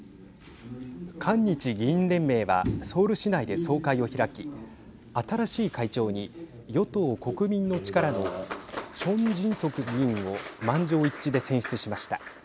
韓日議員連盟はソウル市内で総会を開き新しい会長に与党・国民の力のチョン・ジンソク議員を満場一致で選出しました。